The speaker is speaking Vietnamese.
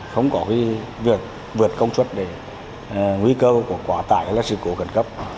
không có cái việc vượt công suất để nguy cơ của quả tải là sự cố gần cấp